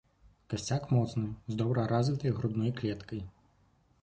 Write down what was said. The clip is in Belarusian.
Касцяк моцны з добра развітай грудной клеткай.